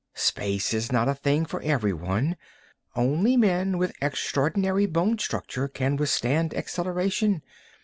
Space is not a thing for everyone; only men with extraordinary bone structure can withstand acceleration.